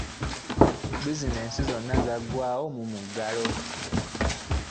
Bizinensi ze zonna zagwawo mu muggalo